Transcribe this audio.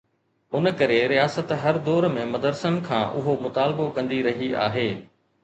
ان ڪري رياست هر دور ۾ مدرسن کان اهو مطالبو ڪندي رهي آهي.